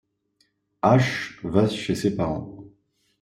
Asch va chez ses parents.